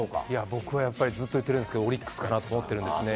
僕はやっぱり、ずっと言ってるんですけど、オリックスかなと思ってるんですね。